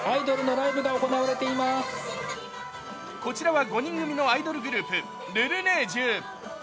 こちらは５人組のアイドルグループ、ルルネージュ。